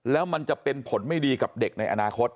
แล้วมันจะเป็นผลไม่ดีกับเด็กในอนาคต